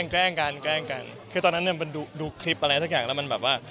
แกล้งกันแกล้งกันคือตอนนั้นเนี่ยมันดูคลิปอะไรสักอย่างแล้วมันแบบว่า